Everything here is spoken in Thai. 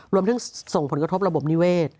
รวมถึงส่งผลกระทบระบบนิเวศ